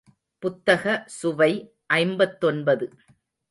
புத்தக சுவை ஐம்பத்தொன்பது.